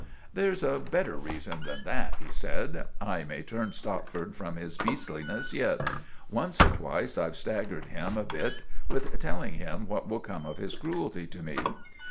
"There's a better reason than that," he said. "I may turn Stopford from his beastliness yet. Once or twice I've staggered him a bit with telling him what will come of his cruelty to me."